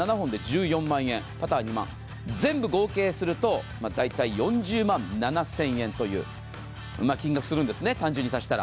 全部合計すると大体４０万７０００円という金額がするんですね、単純に足したら。